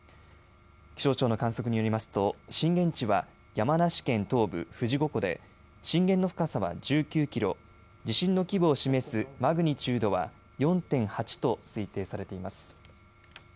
気象庁の観測によりますと震源地は山梨県東部富士五湖で震源の深さは１９キロ、地震の規模を示すマグニチュードは４．８と推定されています。